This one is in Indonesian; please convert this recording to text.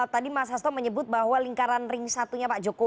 tadi mas hasto menyebut bahwa lingkaran ring satunya pak jokowi